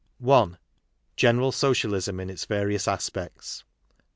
— General Socialism in its various aspects.